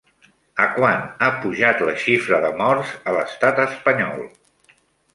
A quant ha pujat la xifra de morts a l'estat espanyol?